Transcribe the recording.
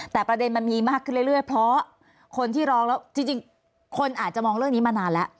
แต่ประเด็นมันมีมากขึ้นเรื่อยเพราะคนที่ร้องแล้วจริงคนอาจจะมองเรื่องนี้มานานแล้ว